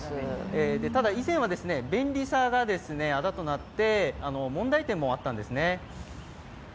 ただ、以前は便利さがあだとなって問題点もあったんですね。